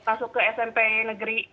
masuk ke smp negeri